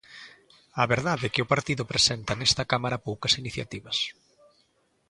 A verdade é que o Partido presenta nesta Cámara poucas iniciativas.